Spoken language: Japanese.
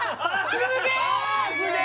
すげえ！